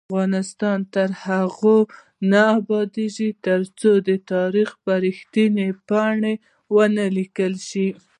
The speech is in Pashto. افغانستان تر هغو نه ابادیږي، ترڅو تاریخ په رښتینې بڼه ونه لیکل شي.